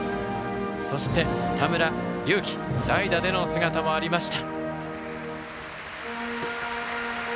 そして田村琉樹代打での姿もありました。